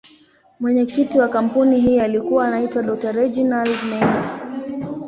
Mwenyekiti wa kampuni hii alikuwa anaitwa Dr.Reginald Mengi.